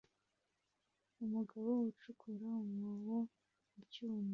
Umugabo ucukura umwobo mu cyuma